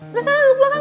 gak sana duduk belakang